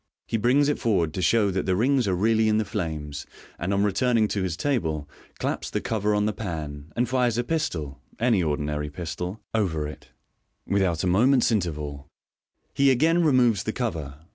He brings it forward to show that the rings are really in the flames j and on returning to his table, claps the cover on the pan, and fires a pistol (any ordinary pistol) over it Without a moment's interval, he again removes the cover.